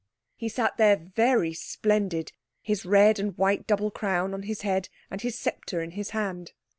He sat there very splendid, his red and white double crown on his head, and his sceptre in his hand.